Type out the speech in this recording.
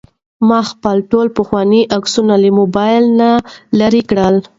ما خپل ټول پخواني عکسونه له موبایل نه لرې کړل.